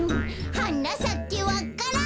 「はなさけわか蘭」